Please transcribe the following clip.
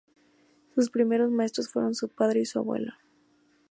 Sus primeros maestros fueron su padre y su abuelo.